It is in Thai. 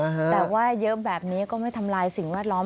แต่ว่าเยอะแบบนี้ก็ไม่ทำลายสิ่งแวดล้อม